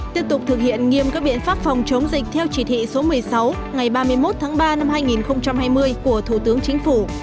tiếp tục thực hiện nghiêm các biện pháp phòng chống dịch theo chỉ thị số một mươi sáu ngày ba mươi một tháng ba năm hai nghìn hai mươi của thủ tướng chính phủ